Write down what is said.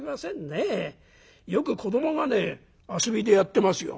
よく子どもがね遊びでやってますよ。